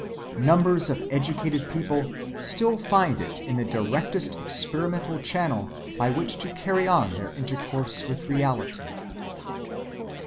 Numbers of educated people still find it the directest experimental channel by which to carry on their intercourse with reality.